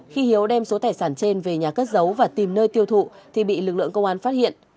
khi hiếu đem số tài sản trên về nhà cất giấu và tìm nơi tiêu thụ thì bị lực lượng công an phát hiện